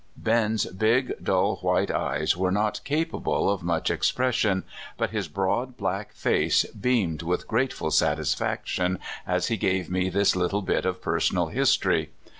Ben's big, dull, white eyes were not capable of much expression, but his broad, black face beamed with grateful satisfaction as he gave me this little bit of personal history.